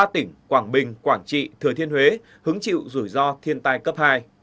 ba tỉnh quảng bình quảng trị thừa thiên huế hứng chịu rủi ro thiên tai cấp hai